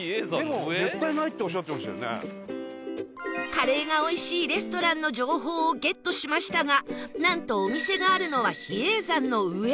カレーが美味しいレストランの情報をゲットしましたがなんとお店があるのは比叡山の上